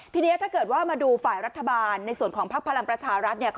ทีนี้ถ้าเกิดว่ามาดูฝ่ายรัฐบาลในส่วนของพักพลังประชารัฐเนี่ย